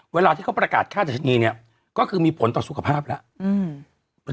เวลาที่เขาประกาศค่าดัชนีเนี่ยก็คือมีผลต่อสุขภาพแล้ว